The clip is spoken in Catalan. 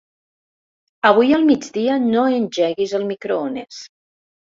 Avui al migdia no engeguis el microones.